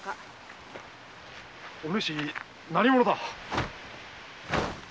お主何者だ？